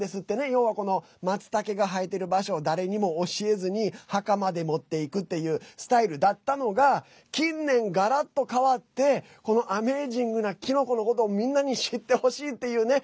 要は、マツタケが生えてる場所を誰にも教えずに墓まで持っていくっていうスタイルだったのが近年、がらっと変わってアメージングなキノコのことをみんなに知ってほしいっていうね